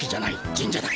神社だ。